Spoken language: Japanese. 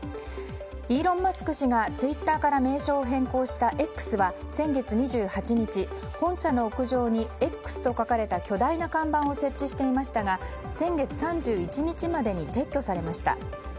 イーロン・マスク氏がツイッターから名称を変更した「Ｘ」は先月２８日本社の屋上に「Ｘ」と書かれた巨大な看板を設置していましたがこんにちは。